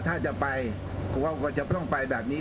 ถ้าจะไปก็จะต้องไปแบบนี้